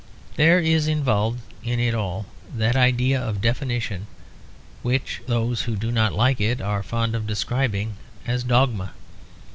There is involved in it all that idea of definition which those who do not like it are fond of describing as dogma.